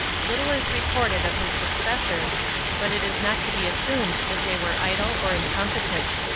Little is recorded of his successors, but it is not to be assuired that they were idle or incompetent.